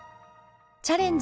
「チャレンジ！